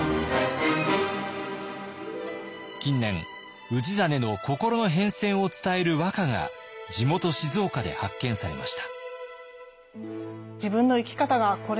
近年氏真の心の変遷を伝える和歌が地元静岡で発見されました。